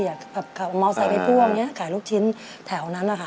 อยากมาวไซด์ไอ้พ่วงเนี่ยขายลูกชิ้นแถวนั้นนะคะ